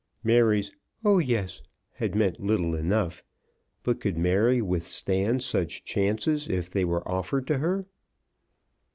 Mary's "Oh, yes," had meant little enough, but could Mary withstand such chances if they were offered to her?